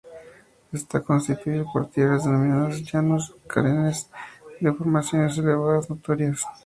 Está constituido por tierras denominadas llanos, carentes de formaciones elevadas notorias.